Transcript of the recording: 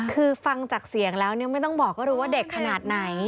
คือฟังจากเสียงแล้วไม่ต้องบอกก็รู้ว่าเด็กขนาดไหน